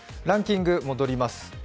ランキングに戻ります。